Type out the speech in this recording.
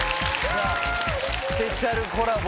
スペシャルコラボ